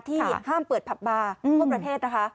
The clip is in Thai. ที่ห้ามเปิดผับบาร์ทั่วประเทศนะคะ